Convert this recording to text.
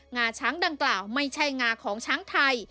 งาช้างดังกล่าวไม่ใช่งาของช้างไทย